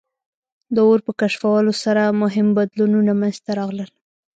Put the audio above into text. د اور په کشفولو سره مهم بدلونونه منځ ته راغلل.